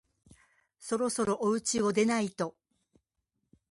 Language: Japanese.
そろそろおうちを出ないと